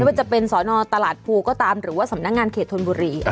ว่าจะเป็นสอนอตลาดภูก็ตามหรือว่าสำนักงานเขตธนบุรี